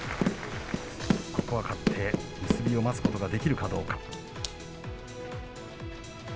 ここは勝って、結びを待つことができるかどうか。